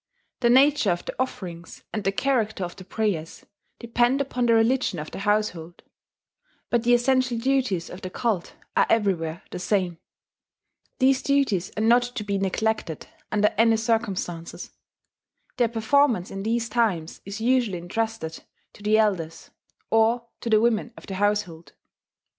The nature of the offerings and the character of the prayers depend upon the religion of the household; but the essential duties of the cult are everywhere the same. These duties are not to be neglected under any circumstances; their performance in these times is usually intrusted to the elders, or to the women of the household.